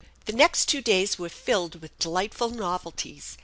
The next two days were filled with delightful novelties.